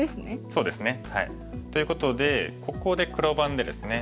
そうですね。ということでここで黒番でですね